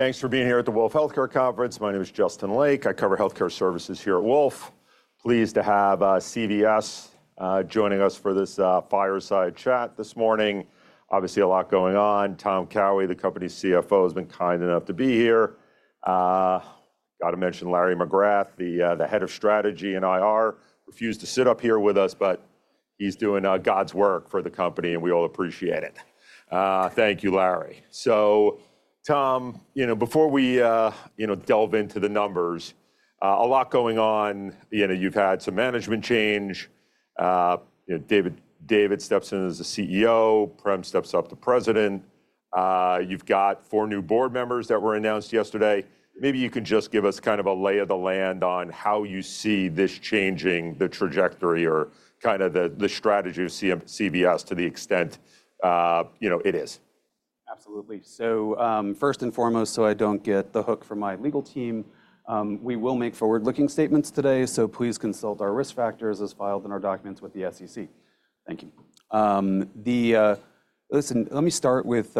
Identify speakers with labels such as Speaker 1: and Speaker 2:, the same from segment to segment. Speaker 1: Thanks for here at the Wolfe Healthcare Conference. My name is Justin Lake. I cover healthcare services here at Wolfe. Pleased to have CVS joining us for this fireside chat this morning. Obviously, a lot going on. Tom Cowhey, the company's CFO, has been kind enough to be here. Got to mention Larry McGrath, the head of strategy and IR, refused to sit up here with us, but he's doing God's work for the company, and we all appreciate it. Thank you, Larry. So, Tom, you know, before we delve into the numbers, a lot going on. You've had some management change. David steps in as the CEO, Prem steps up to President. You've got four new board members that were announced yesterday. Maybe you can just give us kind of a lay of the land on how you see this changing the trajectory or kind of the strategy of CVS to the extent it is?
Speaker 2: Absolutely, so first and foremost, so I don't get the hook from my legal team, we will make forward-looking statements today, so please consult our risk factors as filed in our documents with the SEC. Thank you. Listen, let me start with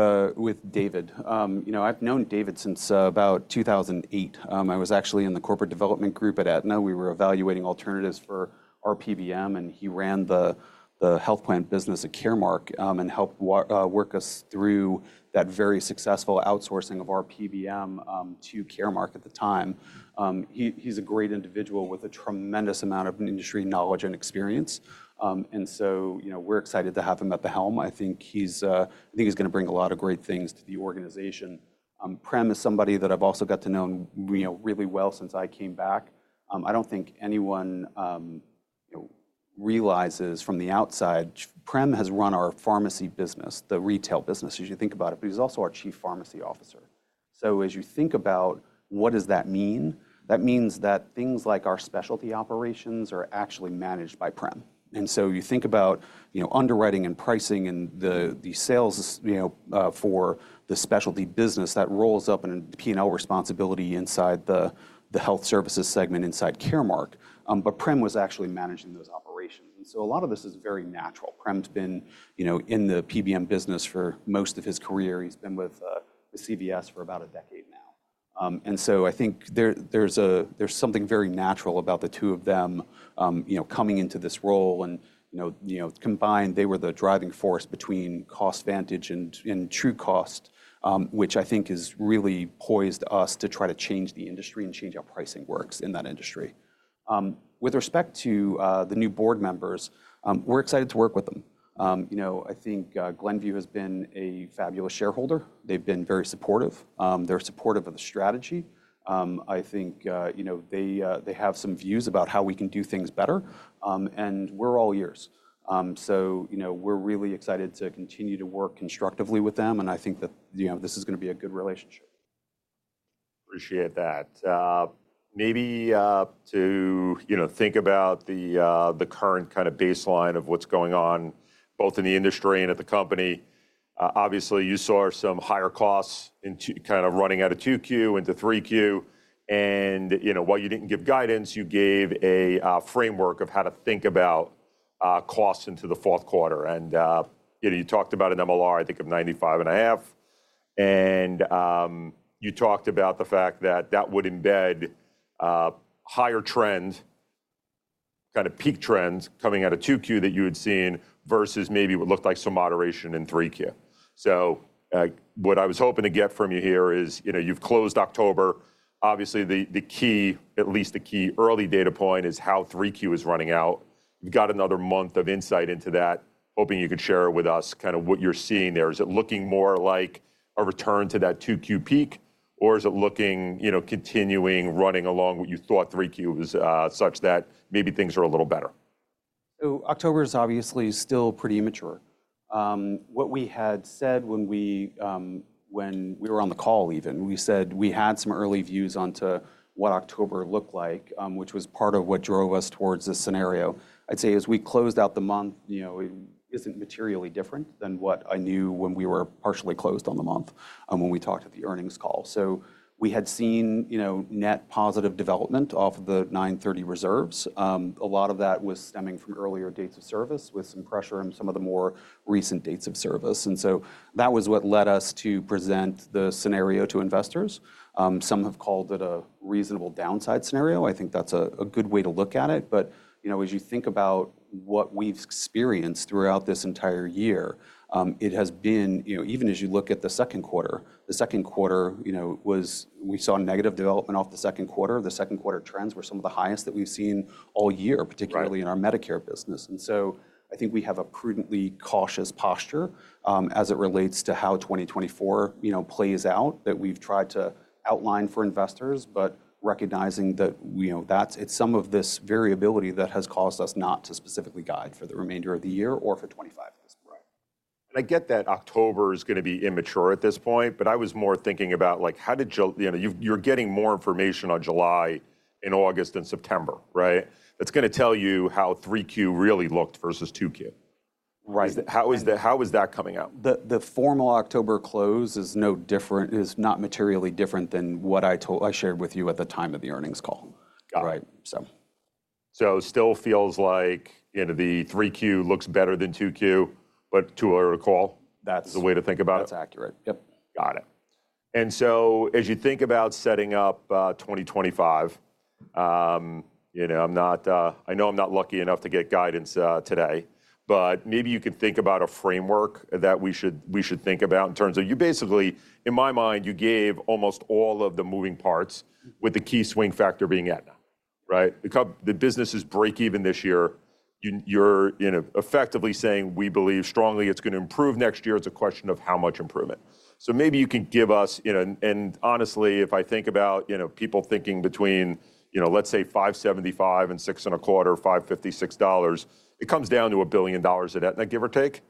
Speaker 2: David. I've known David since about 2008. I was actually in the corporate development group at Aetna. We were evaluating alternatives for our PBM, and he ran the health plan business at Caremark and helped work us through that very successful outsourcing of our PBM to Caremark at the time. He's a great individual with a tremendous amount of industry knowledge and experience, and so we're excited to have him at the helm. I think he's going to bring a lot of great things to the organization. Prem is somebody that I've also got to know really well since I came back. I don't think anyone realizes from the outside, Prem has run our pharmacy business, the retail business, as you think about it, but he's also our Chief Pharmacy Officer. So, as you think about what does that mean, that means that things like our specialty operations are actually managed by Prem. And so you think about underwriting and pricing and the sales for the specialty business that rolls up and P&L responsibility inside the health services segment inside Caremark. But Prem was actually managing those operations. And so a lot of this is very natural. Prem's been in the PBM business for most of his career. He's been with CVS for about a decade now. And so I think there's something very natural about the two of them coming into this role. And combined, they were the driving force between CostVantage and TrueCost, which I think has really poised us to try to change the industry and change how pricing works in that industry. With respect to the new board members, we're excited to work with them. I think Glenview has been a fabulous shareholder. They've been very supportive. They're supportive of the strategy. I think they have some views about how we can do things better. And we're all ears. So, we're really excited to continue to work constructively with them. And I think that this is going to be a good relationship.
Speaker 1: Appreciate that. Maybe to think about the current kind of baseline of what's going on both in the industry and at the company. Obviously, you saw some higher costs kind of running out of 2Q into 3Q. And while you didn't give guidance, you gave a framework of how to think about costs into the fourth quarter. And you talked about an MLR, I think of 95.5. And you talked about the fact that that would embed higher trends, kind of peak trends coming out of 2Q that you had seen versus maybe what looked like some moderation in 3Q. So, what I was hoping to get from you here is you've closed October. Obviously, at least the key early data point is how 3Q is running out. You've got another month of insight into that, hoping you could share with us kind of what you're seeing there. Is it looking more like a return to that 2Q peak, or is it looking continuing running along what you thought 3Q was such that maybe things are a little better? October is obviously still pretty immature. What we had said when we were on the call even, we said we had some early views onto what October looked like, which was part of what drove us towards this scenario. I'd say as we closed out the month, it isn't materially different than what I knew when we were partially closed on the month when we talked at the earnings call. We had seen net positive development off of the 9/30 reserves. A lot of that was stemming from earlier dates of service with some pressure on some of the more recent dates of service. That was what led us to present the scenario to investors. Some have called it a reasonable downside scenario. I think that's a good way to look at it. But as you think about what we've experienced throughout this entire year, it has been, even as you look at the second quarter, the second quarter was we saw negative development off the second quarter. The second quarter trends were some of the highest that we've seen all year, particularly in our Medicare business. And so, I think we have a prudently cautious posture as it relates to how 2024 plays out that we've tried to outline for investors, but recognizing that it's some of this variability that has caused us not to specifically guide for the remainder of the year or for 2025. Right, and I get that October is going to be immature at this point, but I was more thinking about how you're getting more information on July and August and September, right? That's going to tell you how 3Q really looked versus 2Q. How is that coming out?
Speaker 2: The formal October close is not materially different than what I shared with you at the time of the earnings call.
Speaker 1: Got it. Still feels like the 3Q looks better than 2Q, but to recall, the way to think about it?
Speaker 2: That's accurate. Yep.
Speaker 1: Got it. As you think about setting up 2025, I know I'm not lucky enough to get guidance today, but maybe you could think about a framework that we should think about in terms of you basically, in my mind, you gave almost all of the moving parts with the key swing factor being Aetna, right? The business is break-even this year. You're effectively saying, we believe strongly it's going to improve next year. It's a question of how much improvement. Maybe you can give us, and honestly, if I think about people thinking between, let's say, $5.75-$6.25, $5.56, it comes down to $1 billion at Aetna, give or take,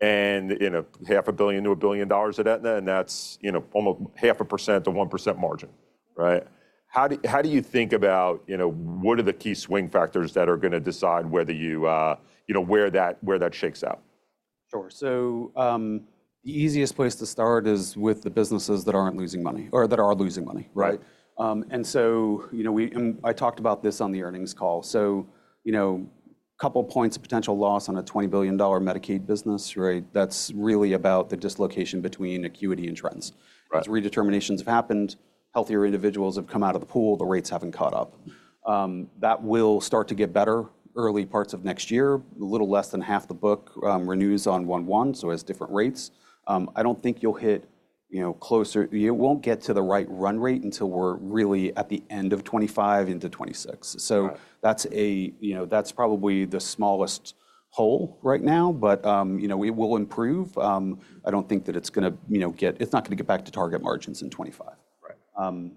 Speaker 1: and $500 million-$1 billion at Aetna, and that's almost 0.5%-1% margin, right? How do you think about what are the key swing factors that are going to decide whether or where that shakes out?
Speaker 2: Sure, so the easiest place to start is with the businesses that aren't losing money or that are losing money, right, and so I talked about this on the earnings call, so a couple of points of potential loss on a $20 billion Medicaid business, right? That's really about the dislocation between acuity and trends. As redeterminations have happened, healthier individuals have come out of the pool. The rates haven't caught up. That will start to get better early parts of next year. A little less than half the book renews on 1/1, so as different rates. I don't think you'll hit closer. You won't get to the right run rate until we're really at the end of 2025 into 2026, so that's probably the smallest hole right now, but we will improve. I don't think that it's going to get. It's not going to get back to target margins in 2025.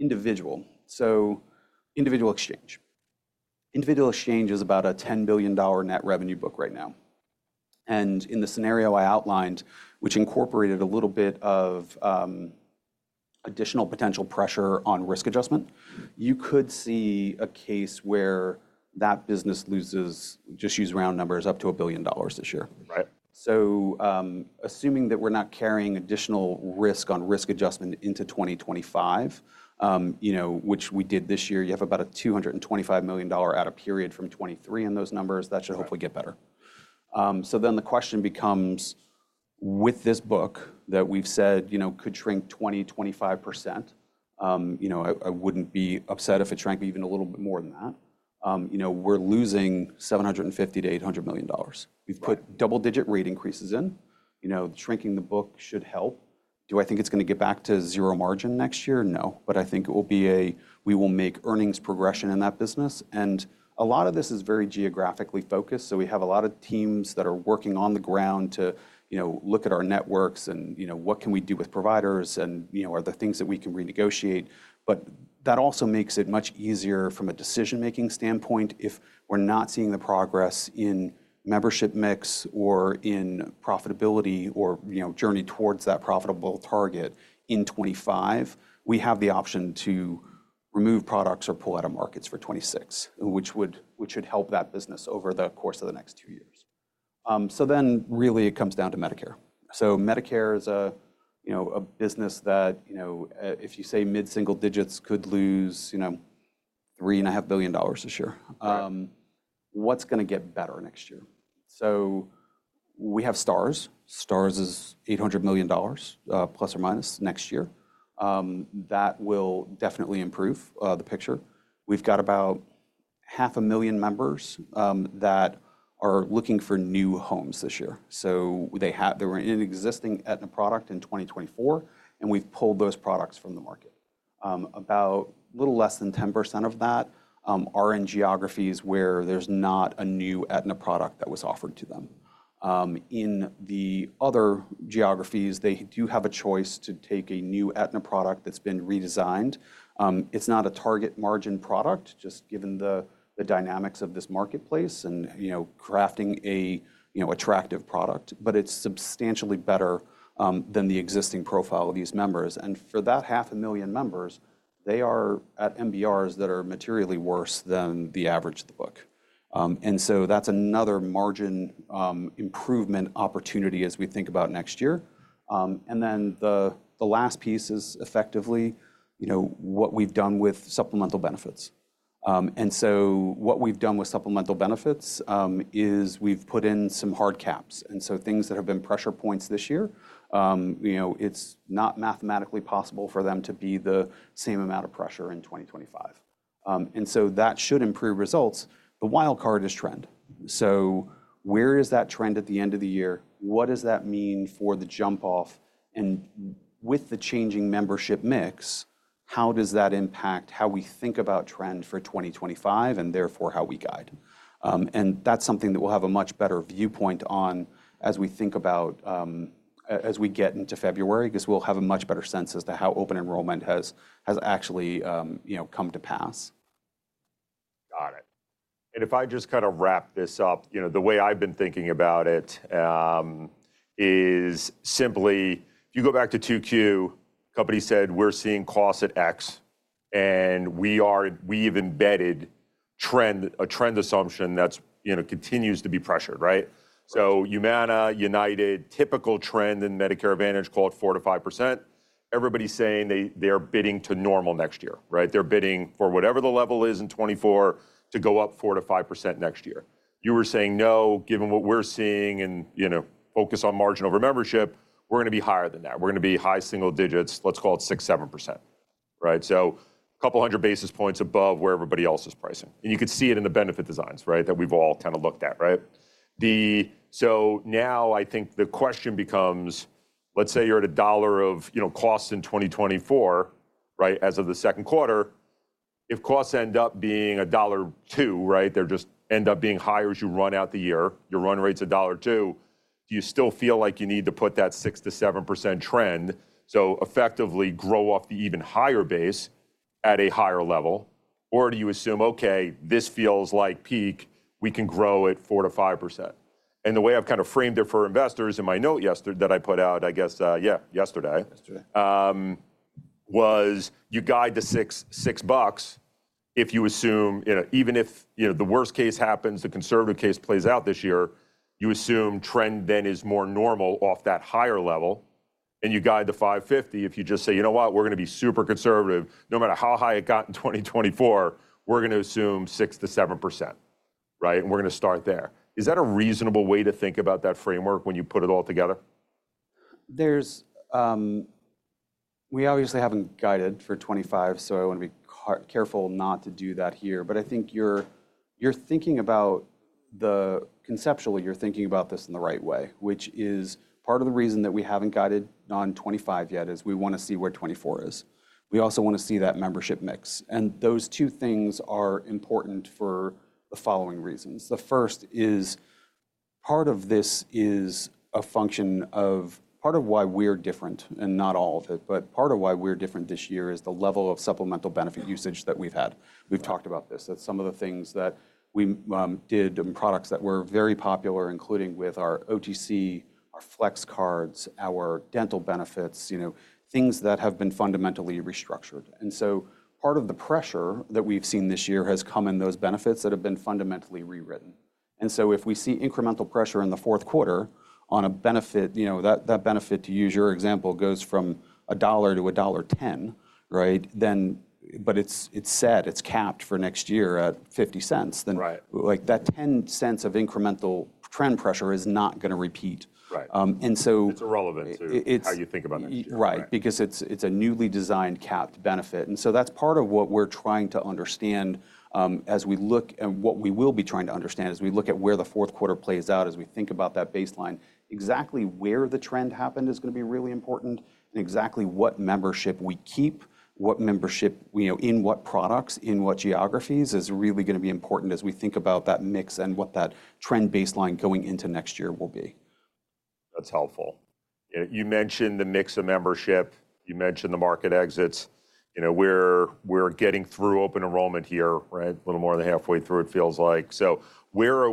Speaker 2: Individual. So, individual exchange. Individual exchange is about a $10 billion net revenue book right now. And in the scenario I outlined, which incorporated a little bit of additional potential pressure on risk adjustment, you could see a case where that business loses, just use round numbers, up to $1 billion this year. So, assuming that we're not carrying additional risk on risk adjustment into 2025, which we did this year, you have about a $225 million out of period from 2023 on those numbers. That should hopefully get better. So then the question becomes, with this book that we've said could shrink 20%-25%, I wouldn't be upset if it shrank even a little bit more than that. We're losing $750 million-$800 million. We've put double-digit rate increases in. Shrinking the book should help. Do I think it's going to get back to zero margin next year? No, but I think it will be a, we will make earnings progression in that business, and a lot of this is very geographically-focused, so we have a lot of teams that are working on the ground to look at our networks and what can we do with providers and are there things that we can renegotiate, but that also makes it much easier from a decision-making standpoint. If we're not seeing the progress in membership mix or in profitability or journey towards that profitable target in 2025, we have the option to remove products or pull out of markets for 2026, which would help that business over the course of the next two years, so then really it comes down to Medicare. Medicare is a business that, if you say mid-single digits, could lose $3.5 billion this year. What's going to get better next year? We have Stars. Stars is ±$800 million next year. That will definitely improve the picture. We've got about 500,000 members that are looking for new homes this year. They were in existing Aetna product in 2024, and we've pulled those products from the market. About a little less than 10% of that are in geographies where there's not a new Aetna product that was offered to them. In the other geographies, they do have a choice to take a new Aetna product that's been redesigned. It's not a target margin product, just given the dynamics of this marketplace and crafting an attractive product, but it's substantially better than the existing profile of these members. And for that 500,000 members, they are at MBRs that are materially worse than the average of the book. And so that's another margin improvement opportunity as we think about next year. And then the last piece is effectively what we've done with supplemental benefits. And so what we've done with supplemental benefits is we've put in some hard caps. And so things that have been pressure points this year, it's not mathematically possible for them to be the same amount of pressure in 2025. And so that should improve results. The wild card is trend. So, where is that trend at the end of the year? What does that mean for the jump off? And with the changing membership mix, how does that impact how we think about trend for 2025 and therefore how we guide? That's something that we'll have a much better viewpoint on as we think about, as we get into February, because we'll have a much better sense as to how open enrollment has actually come to pass.
Speaker 1: Got it. And if I just kind of wrap this up, the way I've been thinking about it is simply if you go back to 2Q, company said, we're seeing costs at X, and we have embedded a trend assumption that continues to be pressured, right? So, Humana, United, typical trend in Medicare Advantage called 4%-5%. Everybody's saying they're bidding to normal next year, right? They're bidding for whatever the level is in 2024 to go up 4%-5% next year. You were saying, no, given what we're seeing and focus on margin over membership, we're going to be higher than that. We're going to be high single digits, let's call it 6%-7%, right? So, a couple hundred basis points above where everybody else is pricing. And you could see it in the benefit designs, right, that we've all kind of looked at, right? So, now I think the question becomes, let's say you're at $1 of costs in 2024, right, as of the second quarter, if costs end up being $1.02, right, they just end up being higher as you run out the year, your run rate's $1.02, do you still feel like you need to put that 6%-7% trend, so effectively grow off the even higher base at a higher level, or do you assume, okay, this feels like peak, we can grow at 4%-5%? The way I've kind of framed it for investors in my note yesterday that I put out, I guess, yeah, yesterday, was you guide $6 if you assume, even if the worst case happens, the conservative case plays out this year, you assume trend then is more normal off that higher level, and you guide $5.50 if you just say, you know what, we're going to be super conservative, no matter how high it got in 2024, we're going to assume 6%-7%, right? We're going to start there. Is that a reasonable way to think about that framework when you put it all together?
Speaker 2: We obviously haven't guided for 2025, so I want to be careful not to do that here. But I think you're thinking about it conceptually. You're thinking about this in the right way, which is part of the reason that we haven't guided non-2025 yet is we want to see where 2024 is. We also want to see that membership mix. And those two things are important for the following reasons. The first is part of this is a function of part of why we're different and not all of it, but part of why we're different this year is the level of supplemental benefit usage that we've had. We've talked about this, that some of the things that we did and products that were very popular, including with our OTC, our flex cards, our dental benefits, things that have been fundamentally restructured. Part of the pressure that we've seen this year has come in those benefits that have been fundamentally rewritten. If we see incremental pressure in the fourth quarter on a benefit, that benefit to use your example goes from $1-$1.10, right? It's set, it's capped for next year at $0.50. That $0.10 of incremental trend pressure is not going to repeat.
Speaker 1: It's irrelevant to how you think about it.
Speaker 2: Right, because it's a newly designed capped benefit, and so that's part of what we're trying to understand as we look, and what we will be trying to understand as we look at where the fourth quarter plays out, as we think about that baseline. Exactly where the trend happened is going to be really important, and exactly what membership we keep, what membership in what products, in what geographies is really going to be important as we think about that mix and what that trend baseline going into next year will be.
Speaker 1: That's helpful. You mentioned the mix of membership. You mentioned the market exits. We're getting through open enrollment here, right? A little more than halfway through it feels like. So, what are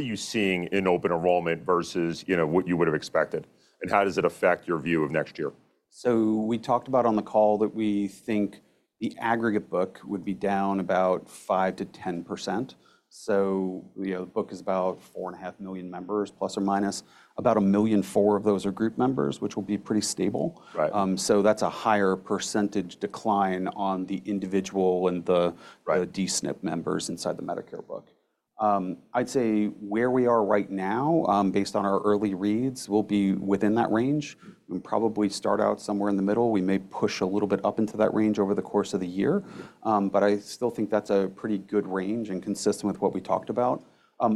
Speaker 1: you seeing in open enrollment versus what you would have expected? And how does it affect your view of next year?
Speaker 2: So, we talked about on the call that we think the aggregate book would be down about 5%-10%. So, the book is about ±4.5 million members. About 1.4 million of those are group members, which will be pretty stable. So, that's a higher percentage decline on the individual and the D-SNP members inside the Medicare book. I'd say where we are right now, based on our early reads, we'll be within that range. We'll probably start out somewhere in the middle. We may push a little bit up into that range over the course of the year. But I still think that's a pretty good range and consistent with what we talked about.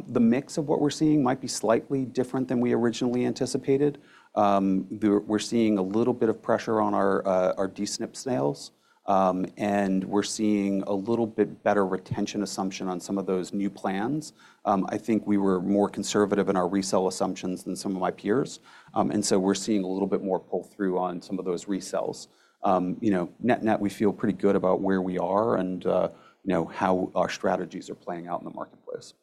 Speaker 2: The mix of what we're seeing might be slightly different than we originally anticipated. We're seeing a little bit of pressure on our D-SNP sales and we're seeing a little bit better retention assumption on some of those new plans. I think we were more conservative in our resale assumptions than some of my peers. And so we're seeing a little bit more pull through on some of those resales. Net net, we feel pretty good about where we are and how our strategies are playing out in the marketplace.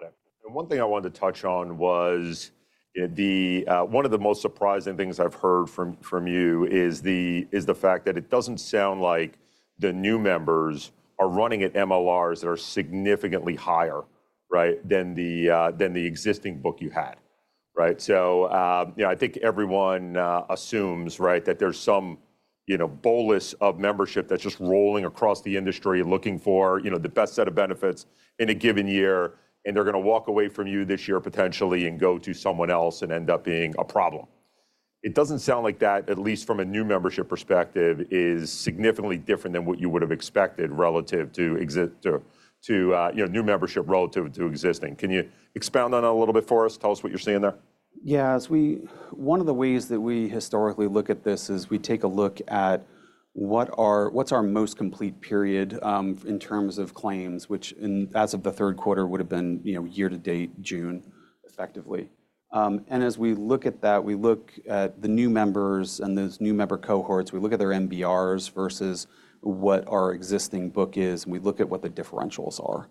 Speaker 1: Got it. And one thing I wanted to touch on was one of the most surprising things I've heard from you is the fact that it doesn't sound like the new members are running at MLRs that are significantly higher than the existing book you had, right? So, I think everyone assumes that there's some bolus of membership that's just rolling across the industry looking for the best set of benefits in a given year, and they're going to walk away from you this year potentially and go to someone else and end up being a problem. It doesn't sound like that, at least from a new membership perspective, is significantly different than what you would have expected relative to new membership relative to existing. Can you expound on that a little bit for us? Tell us what you're seeing there.
Speaker 2: Yeah. One of the ways that we historically look at this is we take a look at what's our most complete period in terms of claims, which as of the third quarter would have been year to date, June effectively. And as we look at that, we look at the new members and those new member cohorts, we look at their MBRs versus what our existing book is, and we look at what the differentials are.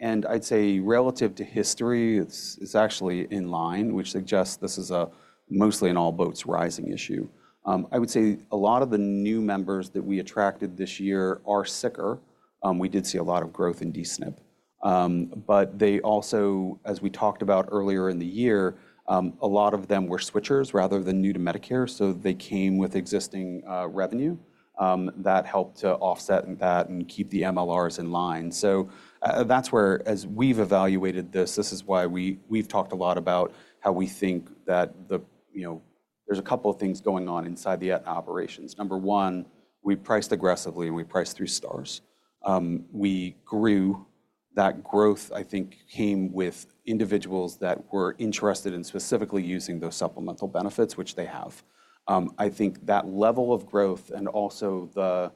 Speaker 2: And I'd say relative to history, it's actually in line, which suggests this is mostly an all boats rising issue. I would say a lot of the new members that we attracted this year are sicker. We did see a lot of growth in DSNP. But they also, as we talked about earlier in the year, a lot of them were switchers rather than new to Medicare. So, they came with existing revenue that helped to offset that and keep the MLRs in line. So, that's where, as we've evaluated this, this is why we've talked a lot about how we think that there's a couple of things going on inside the operations. Number one, we priced aggressively and we priced through Stars. We grew. That growth, I think, came with individuals that were interested in specifically using those supplemental benefits, which they have. I think that level of growth and also the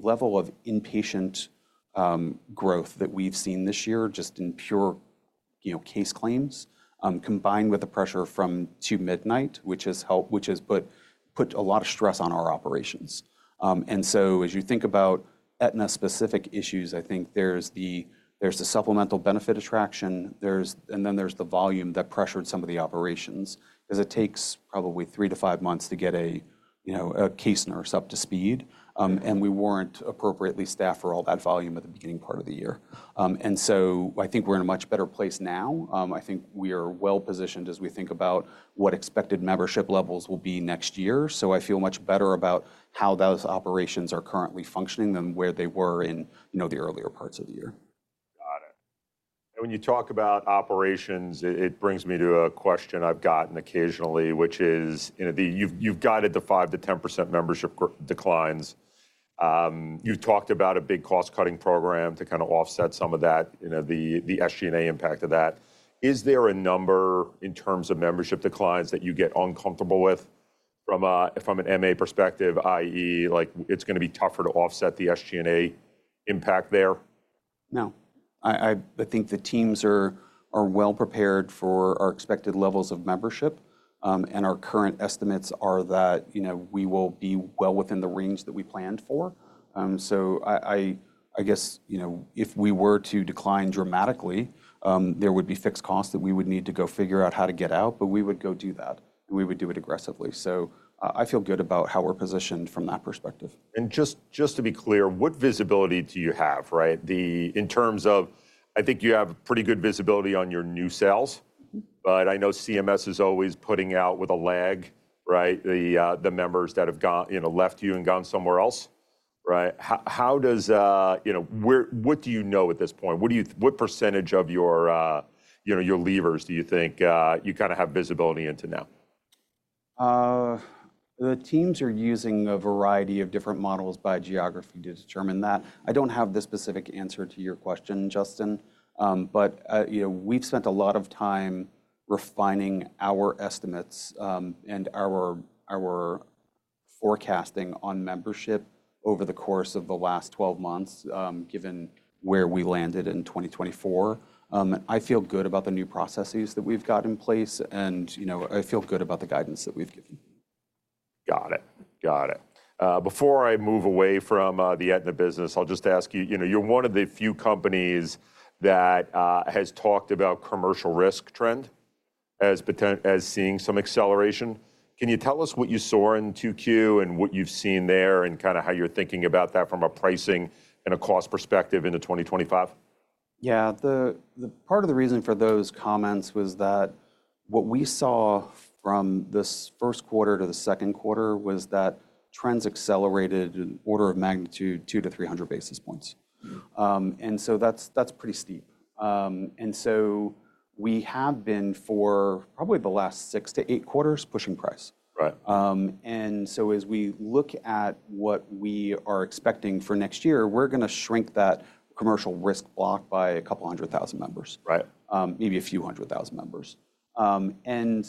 Speaker 2: level of inpatient growth that we've seen this year just in pure case claims combined with the pressure from Two-Midnight, which has put a lot of stress on our operations. And so, as you think about Aetna specific issues, I think there's the supplemental benefit attraction, and then there's the volume that pressured some of the operations because it takes probably three to five months to get a case nurse up to speed. And we weren't appropriately staffed for all that volume at the beginning part of the year. And so, I think we're in a much better place now. I think we are well positioned as we think about what expected membership levels will be next year. So, I feel much better about how those operations are currently functioning than where they were in the earlier parts of the year.
Speaker 1: Got it. And when you talk about operations, it brings me to a question I've gotten occasionally, which is you've guided the 5%-10% membership declines. You've talked about a big cost cutting program to kind of offset some of that, the SG&A impact of that. Is there a number in terms of membership declines that you get uncomfortable with from an MA perspective, i.e., it's going to be tougher to offset the SG&A impact there?
Speaker 2: No. I think the teams are well prepared for our expected levels of membership, and our current estimates are that we will be well within the range that we planned for, so, I guess if we were to decline dramatically, there would be fixed costs that we would need to go figure out how to get out, but we would go do that and we would do it aggressively, so I feel good about how we're positioned from that perspective.
Speaker 1: And just to be clear, what visibility do you have, right? In terms of, I think you have pretty good visibility on your new sales, but I know CMS is always putting out with a lag, right? The members that have left you and gone somewhere else, right? What do you know at this point? What percentage of your levers do you think you kind of have visibility into now?
Speaker 2: The teams are using a variety of different models by geography to determine that. I don't have the specific answer to your question, Justin. But we've spent a lot of time refining our estimates and our forecasting on membership over the course of the last 12 months given where we landed in 2024. I feel good about the new processes that we've got in place and I feel good about the guidance that we've given.
Speaker 1: Got it. Got it. Before I move away from the Aetna business, I'll just ask you, you're one of the few companies that has talked about commercial risk trend as seeing some acceleration. Can you tell us what you saw in 2Q and what you've seen there and kind of how you're thinking about that from a pricing and a cost perspective in the 2025?
Speaker 2: Yeah. Part of the reason for those comments was that what we saw from this first quarter to the second quarter was that trends accelerated in order of magnitude 200-300 basis points. And so that's pretty steep. And so we have been for probably the last six to eight quarters pushing price. And so as we look at what we are expecting for next year, we're going to shrink that commercial risk block by a couple hundred thousand members, maybe a few hundred thousand members. And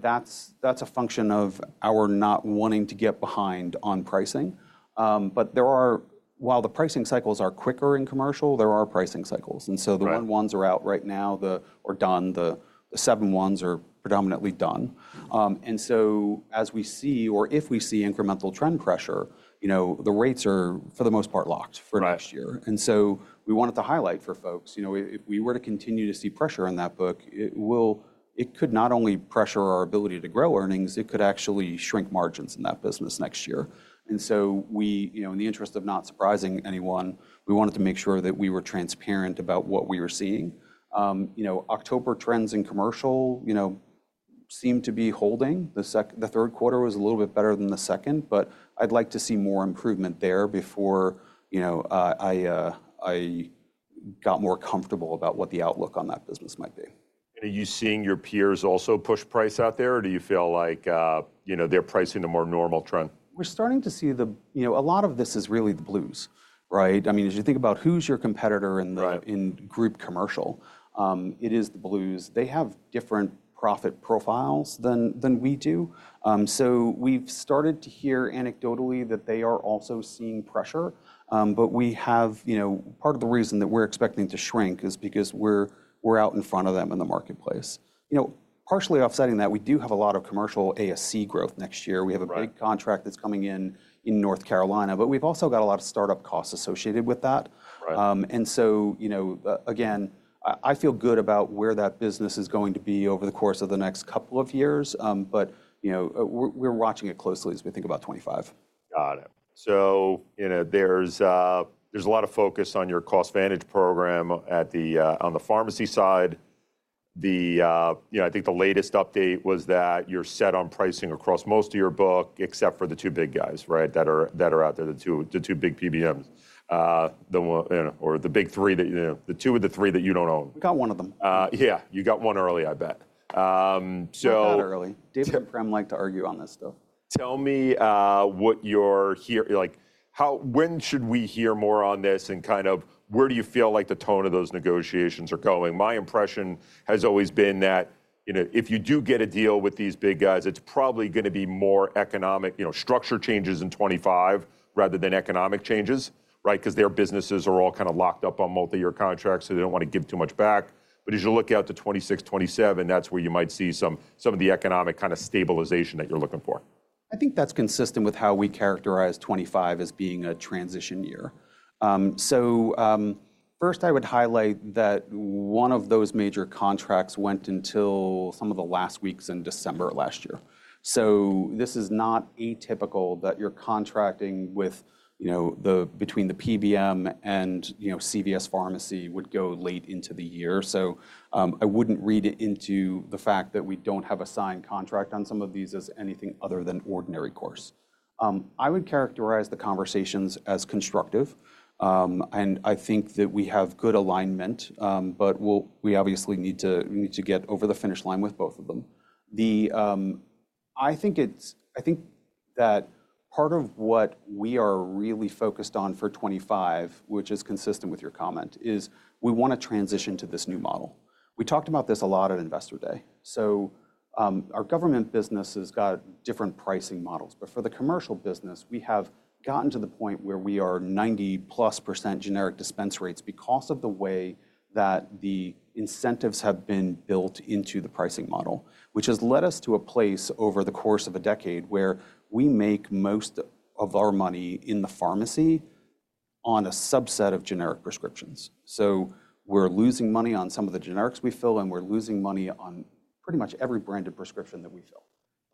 Speaker 2: that's a function of our not wanting to get behind on pricing. But while the pricing cycles are quicker in commercial, there are pricing cycles. And so the 1/1s are out right now or done. The 7/1s are predominantly done. And so as we see or if we see incremental trend pressure, the rates are for the most part locked for next year. And so we wanted to highlight for folks, if we were to continue to see pressure on that book, it could not only pressure our ability to grow earnings, it could actually shrink margins in that business next year. And so in the interest of not surprising anyone, we wanted to make sure that we were transparent about what we were seeing. October trends in commercial seemed to be holding. The third quarter was a little bit better than the second, but I'd like to see more improvement there before I got more comfortable about what the outlook on that business might be.
Speaker 1: Are you seeing your peers also push price out there or do you feel like they're pricing a more normal trend?
Speaker 2: We're starting to see a lot of this is really the blues, right? I mean, as you think about who's your competitor in group commercial, it is the blues. They have different profit profiles than we do. So we've started to hear anecdotally that they are also seeing pressure. But part of the reason that we're expecting to shrink is because we're out in front of them in the marketplace. Partially offsetting that, we do have a lot of commercial ASC growth next year. We have a big contract that's coming in in North Carolina, but we've also got a lot of startup costs associated with that. And so again, I feel good about where that business is going to be over the course of the next couple of years, but we're watching it closely as we think about 2025.
Speaker 1: Got it. So there's a lot of focus on your CostVantage program on the pharmacy side. I think the latest update was that you're set on pricing across most of your book, except for the two big guys, right, that are out there, the two big PBMs or the big three, the two of the three that you don't own.
Speaker 2: We got one of them.
Speaker 1: Yeah. You got one early, I bet.
Speaker 2: Not early. David Cordani liked to argue on this stuff.
Speaker 1: Tell me what you're hearing. When should we hear more on this and kind of where do you feel like the tone of those negotiations are going? My impression has always been that if you do get a deal with these big guys, it's probably going to be more economic structure changes in 2025 rather than economic changes, right? Because their businesses are all kind of locked up on multi-year contracts, so they don't want to give too much back. But as you look out to 2026, 2027, that's where you might see some of the economic kind of stabilization that you're looking for.
Speaker 2: I think that's consistent with how we characterize 2025 as being a transition year, so first, I would highlight that one of those major contracts went until some of the last weeks in December last year, so this is not atypical that you're contracting between the PBM and CVS Pharmacy would go late into the year. So I wouldn't read it into the fact that we don't have a signed contract on some of these as anything other than ordinary course. I would characterize the conversations as constructive, and I think that we have good alignment, but we obviously need to get over the finish line with both of them. I think that part of what we are really focused on for 2025, which is consistent with your comment, is we want to transition to this new model. We talked about this a lot at Investor Day. So our government business has got different pricing models, but for the commercial business, we have gotten to the point where we are 90%+ generic dispense rates because of the way that the incentives have been built into the pricing model, which has led us to a place over the course of a decade where we make most of our money in the pharmacy on a subset of generic prescriptions. So we're losing money on some of the generics we fill, and we're losing money on pretty much every branded prescription that we fill.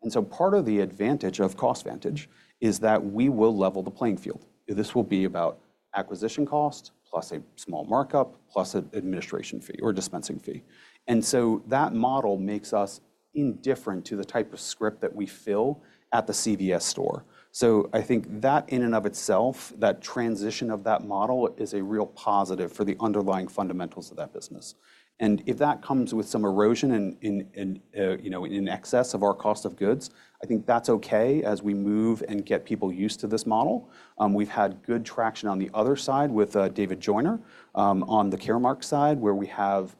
Speaker 2: And so part of the advantage of CostVantage is that we will level the playing field. This will be about acquisition cost plus a small markup plus an administration fee or dispensing fee. And so that model makes us indifferent to the type of script that we fill at the CVS store. So I think that in and of itself, that transition of that model is a real positive for the underlying fundamentals of that business. And if that comes with some erosion in excess of our cost of goods, I think that's okay as we move and get people used to this model. We've had good traction on the other side with David Joyner on the Caremark side where we have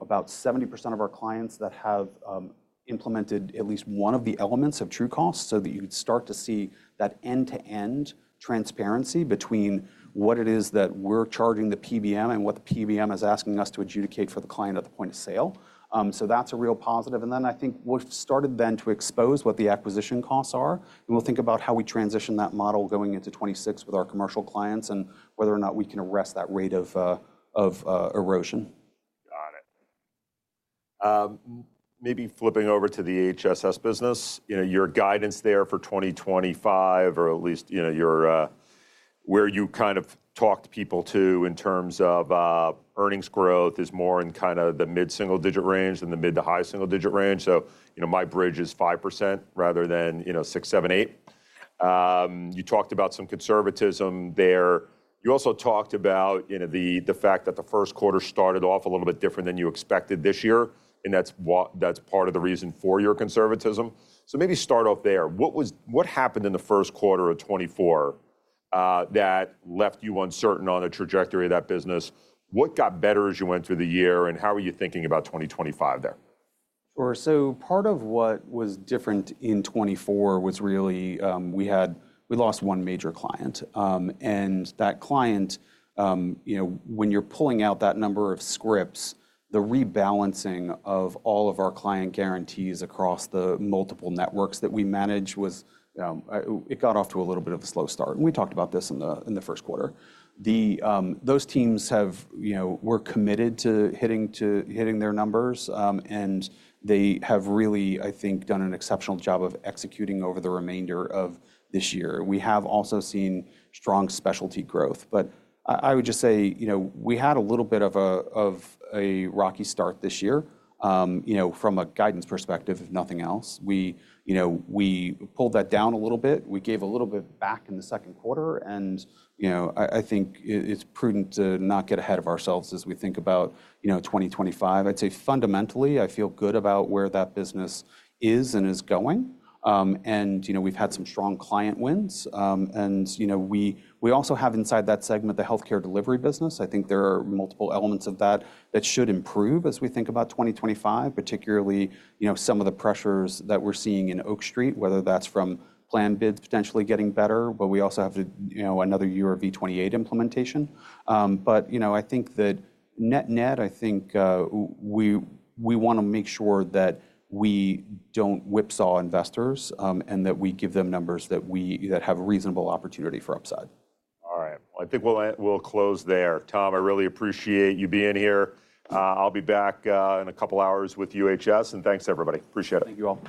Speaker 2: about 70% of our clients that have implemented at least one of the elements of TrueCost so that you start to see that end-to-end transparency between what it is that we're charging the PBM and what the PBM is asking us to adjudicate for the client at the point of sale. So that's a real positive. And then I think we've started then to expose what the acquisition costs are. We'll think about how we transition that model going into 2026 with our commercial clients and whether or not we can arrest that rate of erosion.
Speaker 1: Got it. Maybe flipping over to the HSS business, your guidance there for 2025 or at least where you kind of talked to people in terms of earnings growth is more in kind of the mid-single-digit range than the mid-to-high-single digit range. So my bridge is 5% rather than 6%, 7%, 8%. You talked about some conservatism there. You also talked about the fact that the first quarter started off a little bit different than you expected this year. And that's part of the reason for your conservatism. So maybe start off there. What happened in the first quarter of 2024 that left you uncertain on the trajectory of that business? What got better as you went through the year and how were you thinking about 2025 there?
Speaker 2: Sure. So part of what was different in 2024 was really we lost one major client. And that client, when you're pulling out that number of scripts, the rebalancing of all of our client guarantees across the multiple networks that we manage was. It got off to a little bit of a slow start. And we talked about this in the first quarter. Those teams were committed to hitting their numbers. And they have really, I think, done an exceptional job of executing over the remainder of this year. We have also seen strong specialty growth. But I would just say we had a little bit of a rocky start this year from a guidance perspective, if nothing else. We pulled that down a little bit. We gave a little bit back in the second quarter. And I think it's prudent to not get ahead of ourselves as we think about 2025. I'd say fundamentally, I feel good about where that business is and is going. And we've had some strong client wins. And we also have inside that segment the healthcare delivery business. I think there are multiple elements of that that should improve as we think about 2025, particularly some of the pressures that we're seeing in Oak Street, whether that's from planned bids potentially getting better, but we also have another year of V28 implementation. But I think that net net, I think we want to make sure that we don't whipsaw investors and that we give them numbers that have a reasonable opportunity for upside.
Speaker 1: All right. I think we'll close there. Tom, I really appreciate you being here. I'll be back in a couple of hours with UHS. And thanks, everybody. Appreciate it.
Speaker 2: Thank you all.